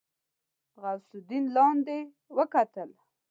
غوث الدين لاندې وکتل.